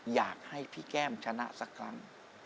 อยากให้พี่แก้มชนะสักครั้ง